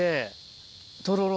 とろろ